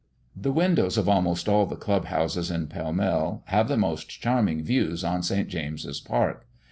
The windows of almost all the club houses in Pall Mall have the most charming views on St. James's Park.